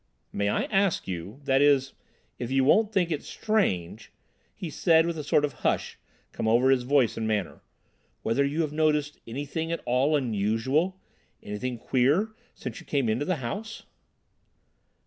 "May I ask you—that is, if you won't think it strange," he said, and a sort of hush came over his voice and manner, "whether you have noticed anything at all unusual—anything queer, since you came into the house?"